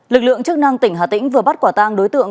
lực lượng chức năng tỉnh hà tĩnh vừa bắt quả tang đối tượng